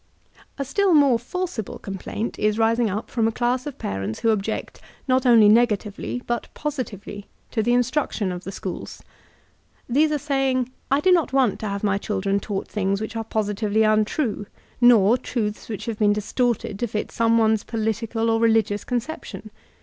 A still more forcible complaint is rising up from a dass of parents who object not only negatively, but positively, to the instruction of the schools. These are sa3ring: I do not want to have my children taught things which are positively untrue, nor truths which have been distorted to fit some one's political or religious conception.